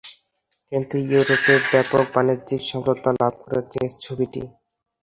কিন্তু ইউরোপে ব্যাপক বাণিজ্যিক সফলতা লাভ করেছে ছবিটি।